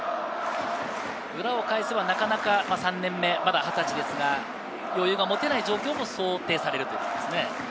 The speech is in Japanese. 裏を返せばなかなか３年目、まだ２０歳ですが、余裕が持てない状況も想定されるということですね。